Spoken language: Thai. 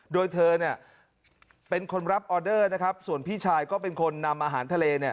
โดยเธอเป็นคนรับออเดอร์นะครับส่วนพี่ชายก็เป็นคนนำอาหารทะเล